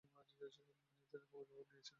তিনি গম্ভীরভাবে নিয়েছেন।